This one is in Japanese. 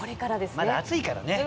まだ暑いからね。